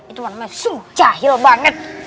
itu warna mesu jahil banget